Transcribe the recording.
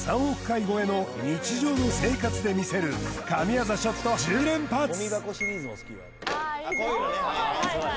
３億回超えの日常の生活で魅せる神業ショット１０連発